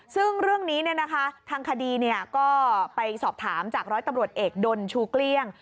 ซึ่งเรื่องนี้ทางคดีก็ไปสอบถามจากร้อยตำรวจเอกดนชูเกลี้ยง